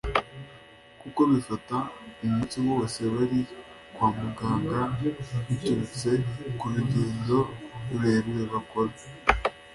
kuko bibafata umunsi wose bari kwa muganga biturutse ku rugendo rurerure bakora